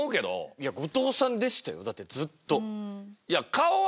いや後藤さんでしたよ？だってずっと。